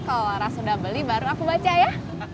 kalau laras udah beli baru aku baca ya